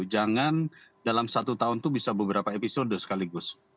jangan dalam satu tahun itu bisa beberapa episode sekaligus